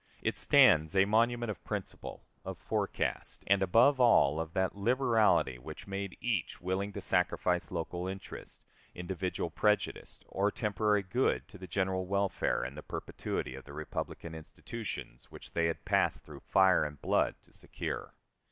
It stands a monument of principle, of forecast, and, above all, of that liberality which made each willing to sacrifice local interest, individual prejudice, or temporary good to the general welfare and the perpetuity of the republican institutions which they had passed through fire and blood to secure.